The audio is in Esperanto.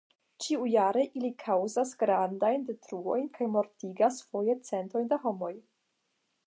Ĉiujare ili kaŭzas grandajn detruojn kaj mortigas foje centojn da homoj.